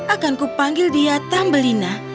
akanku panggil dia tambelina